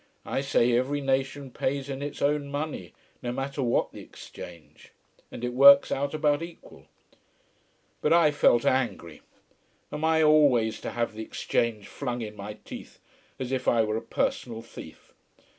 I say, every nation pays in its own money, no matter what the exchange. And it works out about equal." But I felt angry. Am I always to have the exchange flung in my teeth, as if I were a personal thief?